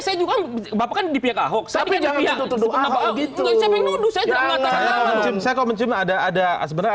saya juga bapakkan di pihak ahok tapi jangan gitu gitu saya komentar ada ada sebenarnya